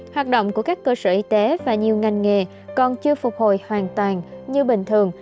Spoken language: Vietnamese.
hoạt động của các cơ sở y tế và nhiều ngành nghề còn chưa phục hồi hoàn toàn như bình thường